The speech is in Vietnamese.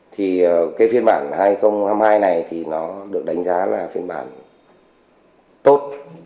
thì cái phiên bản hai nghìn hai mươi hai này thì nó được đánh giá là phiên bản tốt